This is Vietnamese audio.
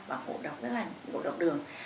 và cổ độc rất là cổ độc đường